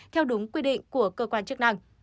theo đúng quy định của cơ quan chức năng